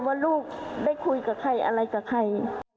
ว่าลูกได้คุยกับใครอะไรกับใคร